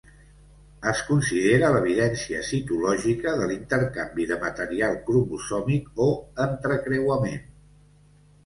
Es considera l'evidència citològica de l'intercanvi de material cromosòmic o entrecreuament.